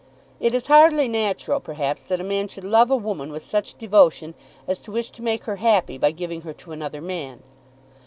It is hardly natural, perhaps, that a man should love a woman with such devotion as to wish to make her happy by giving her to another man.